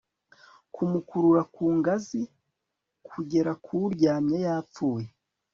kumukurura ku ngazi kugera kuryamye yapfuye